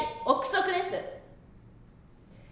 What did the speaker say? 臆測です。